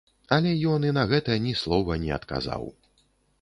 Але ён і на гэта ні слова не адказаў.